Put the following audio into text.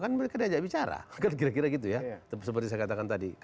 kan mereka diajak bicara kan kira kira gitu ya seperti saya katakan tadi